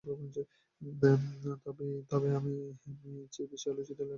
তবে তার চেয়ে বেশি আলোচিত হয়েছে ল্যাবাফের মোড়কের মুখোশে মুখ ঢাকার রহস্য।